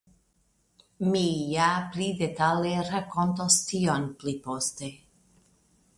Mi ja pli detale rakontos tion pli poste.